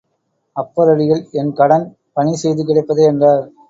அப்பரடிகள் என் கடன் பணிசெய்து கிடப்பதே என்றார்.